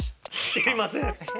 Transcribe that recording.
知りません。